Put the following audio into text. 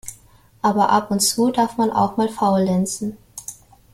Aber ab und zu darf man auch mal faulenzen.